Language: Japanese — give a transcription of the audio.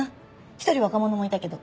一人若者もいたけど。